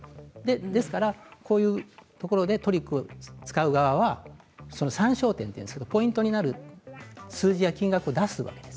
ですから、こういうところでトリックを使う側その参照点というんですがポイントとなる数字や金額を出すだけです。